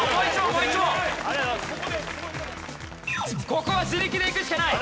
ここは自力でいくしかない！